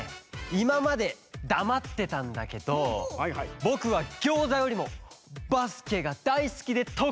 いままでだまってたんだけどぼくはギョーザよりもバスケがだいすきでとくいなんです！